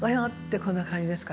こんな感じですから。